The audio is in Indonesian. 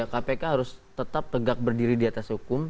kpk harus tetap tegak berdiri di atas hukum